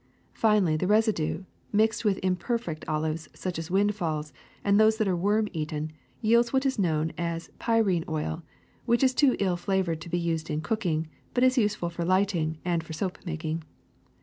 Finally the residue, mixed with the imperfect olives, such as mndfalls and those that are worm eaten, yields what is known as pyrene oil, which is too ill flavored to be used in cooking, but is useful for lighting and for soap making.